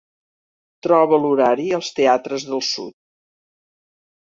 Troba l'horari als teatres del sud.